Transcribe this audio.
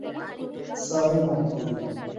Sorry, Maqbool.